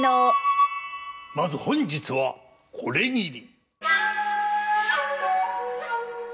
まず本日はこれぎり。